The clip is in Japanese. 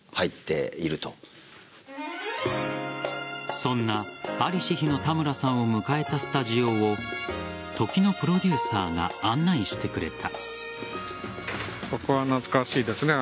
そんな在りし日の田村さんを迎えたスタジオを時のプロデューサーが案内してくれた。